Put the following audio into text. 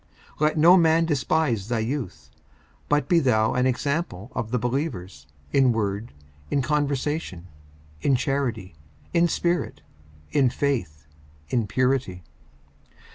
54:004:012 Let no man despise thy youth; but be thou an example of the believers, in word, in conversation, in charity, in spirit, in faith, in purity.